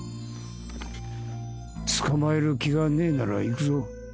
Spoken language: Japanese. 捕まえる気がねえなら行くぞ。